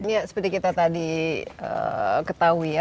ya seperti kita tadi ketahui ya